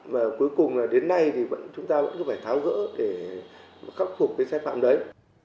và cuối cùng là đến nay thì chúng ta vẫn cứ phải tháo gỡ để khắc phục cái sai phạm đấy